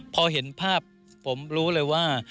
พอเห็นภาพผมรู้เลยว่า